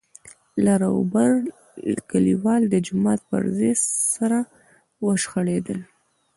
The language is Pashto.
لر او بر کليوال د جومات پر ځای سره وشخړېدل.